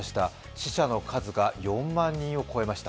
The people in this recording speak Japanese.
死者の数が４万人を超えました。